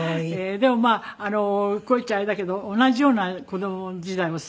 でもまあこう言っちゃあれだけど同じような子供時代を過ごしたわけでしょ？